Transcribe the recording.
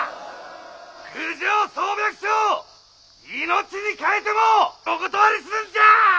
郡上総百姓命に代えてもお断りするんじゃあ！